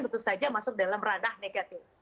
tentu saja masuk dalam ranah negatif